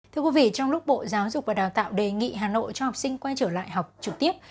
trong lúc bộ giáo dục và đào tạo đề nghị hà nội cho học sinh quay trở lại học trực tiếp